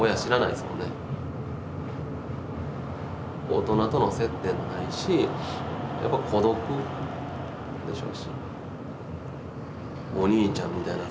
大人との接点もないしやっぱ孤独でしょうし。